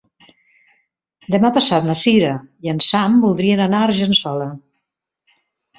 Demà passat na Cira i en Sam voldrien anar a Argençola.